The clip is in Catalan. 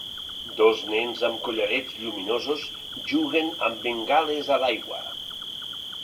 Dos nens amb collarets lluminosos juguen amb bengales a l'aigua.